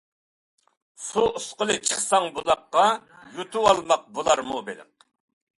سۇ ئۇسقىلى چىقساڭ بۇلاققا، يۇتۇۋالماق بولارمۇ بېلىق.